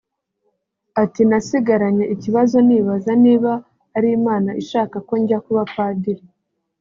Ati “Nasigaranye ikibazo nibaza niba ari Imana ishaka ko njya kuba Padiri